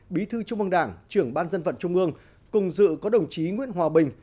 bí thư trung mương đảng trưởng ban dân vận trung ương cùng dự có đồng chí nguyễn hòa bình